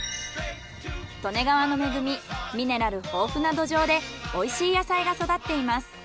利根川の恵みミネラル豊富な土壌でおいしい野菜が育っています。